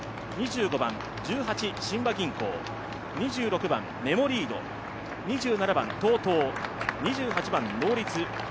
２５番、十八親和銀行、２６番、メモリード、２７番、ＴＯＴＯ、２８番ノーリツ。